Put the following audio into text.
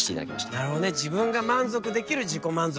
なるほどね自分が満足できる自己満足の方なんだね。